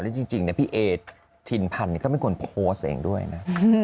แล้วจริงพี่เอทินพันธุ์ก็ไม่ควรโพสต์เองด้วยนะ